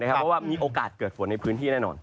เพราะว่ามีโอกาสเกิดฝนในพื้นที่แน่นอน